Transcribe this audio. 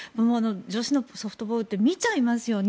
女子のソフトボールって見ちゃいますよね。